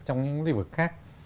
trong những lĩnh vực khác